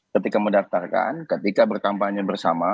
ketika mendaftarkan ketika berkampanye bersama